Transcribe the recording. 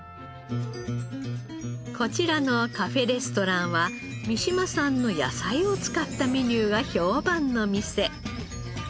こちらのカフェレストランは三島産の野菜を使ったメニューが評判の店。